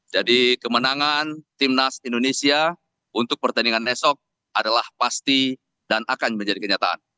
jadi kemenangan tim nas indonesia untuk pertandingan esok adalah pasti dan akan menjadi kenyataan